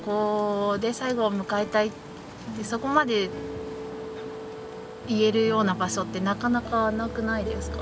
そこまで言えるような場所ってなかなかなくないですか？